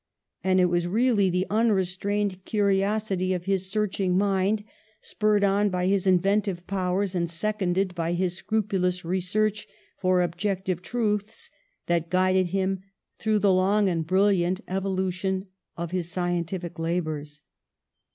And it was really the unrestrained curiosity of his searching mind, spurred on by his inventive powers, and seconded by his scrupulous re search for objective truths, that guided him through the long and brilliant evolution of his scientific labours.